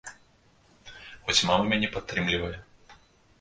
Хоць мама мяне падтрымлівае.